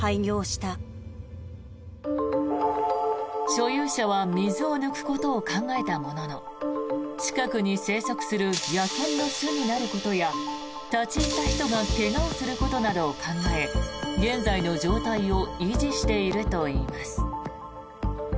所有者は水を抜くことを考えたものの近くに生息する野犬の巣になることや立ち入った人が怪我をすることなどを考え現在の状態を維持しているといいます。